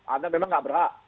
anda memang nggak berhak